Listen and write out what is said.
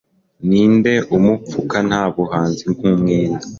ninde umupfuka nta buhanzi, nkumwenda